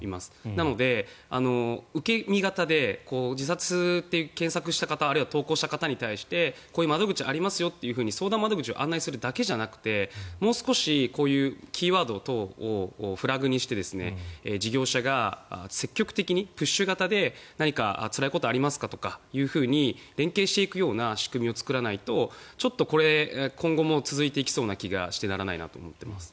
なので、受け身型で自殺って検索した方あるいは投稿した方に対してこういう窓口がありますよと相談窓口を案内するだけじゃなくてもう少しキーワード等をフラグにして事業者が積極的にプッシュ型で何かつらいことありますかとか連携していくような仕組みを作らないとちょっとこれ今後も続いていきそうな気がしてならないなと思っています。